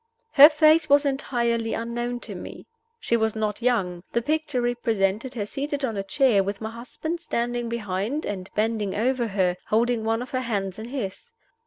Her face was entirely unknown to me. She was not young. The picture represented her seated on a chair, with my husband standing behind, and bending over her, holding one of her hands in his.